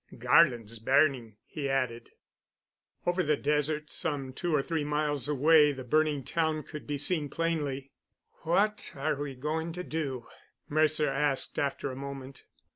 "Garland's burning," he added. Over the desert, some two or three miles away, the burning town could be seen plainly. "What are we going to do?" Mercer asked after a moment.